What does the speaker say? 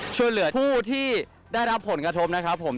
ช่วยเหลือผู้ที่ได้รับผลกระทบนะครับผม